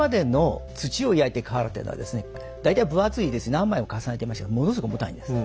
何枚も重ねてましたからものすごく重たいんです。